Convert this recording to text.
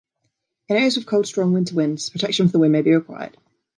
In areas with cold, strong winter winds, protection from the wind may be required.